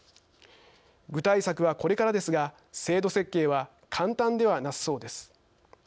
具体策はこれからですが制度設計は簡単ではなさそうです。